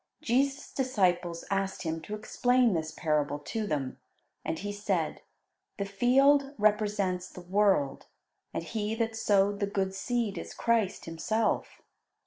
'" Jesus' disciples asked Him to explain this parable to them, and He said: "The field represents the world, and He that sowed the good seed is Christ Himself.